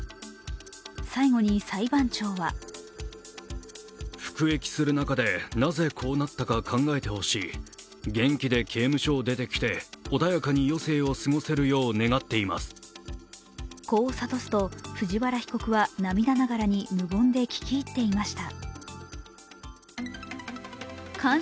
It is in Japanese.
最後に裁判長はこう諭すと藤原被告は涙ながらに無言で聞き入っていました。